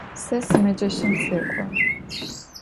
Se sımeceşım sek'o.